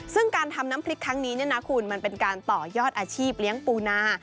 ซึ่งการทำน้ำพริกครั้งนี้เนี่ยนะคุณมันเป็นการต่อยอดอาชีพเลี้ยงปูนา